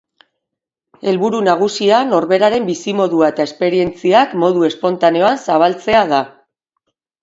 Helburu nagusia norberaren bizimodua eta esperientziak modu espontaneoan zabaltzea da.